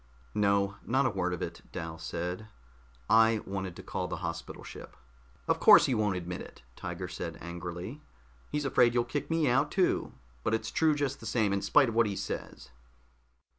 "No, not a word of it," Dal said. "I wanted to call the hospital ship." "Of course he won't admit it," Tiger said angrily. "He's afraid you'll kick me out too, but it's true just the same in spite of what he says."